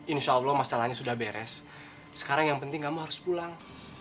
insya allah masalahnya sudah beres sekarang yang penting kamu harus pulang